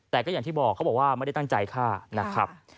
แต่ก็อย่างที่บอกเขาบอกว่าไม่ได้ตั้งใจฆ่านะครับ